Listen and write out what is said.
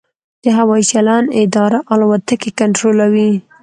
د هوايي چلند اداره الوتکې کنټرولوي؟